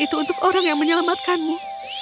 itu untuk orang yang menyelamatkanmu